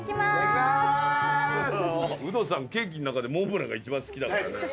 ウドさんケーキん中でモンブランが一番好きだからね。